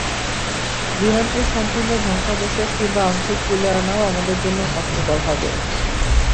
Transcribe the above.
বিমানটির সম্পূর্ণ ধ্বংসাবশেষ কিংবা আংশিক তুলে আনাও আমাদের জন্য কষ্টকর হবে।